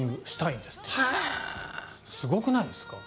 すごくないですか？